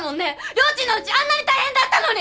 りょーちんのうちあんなに大変だったのに！